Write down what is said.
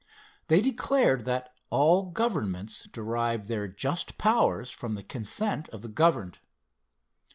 They declared that "all governments derive their just powers from the consent of the governed."